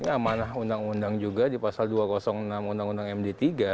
ini amanah undang undang juga di pasal dua ratus enam undang undang md tiga